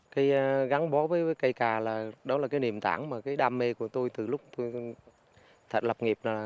cây gắn bó với cây cà là niềm tảng mà đam mê của tôi từ lúc lập nghiệp